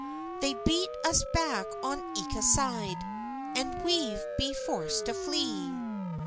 They beat us back on ilka side, An we'se be forced to flee."